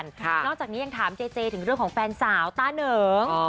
นอกจากนี้ถามเจเจถึงเรื่องเฟ้นสาวธาเนิร์ง